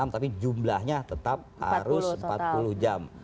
tapi jumlahnya tetap harus empat puluh jam